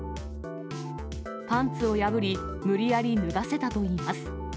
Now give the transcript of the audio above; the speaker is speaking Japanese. パンツを破り、無理やり脱がせたといいます。